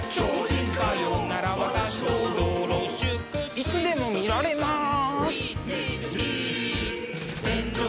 いつでも見られます！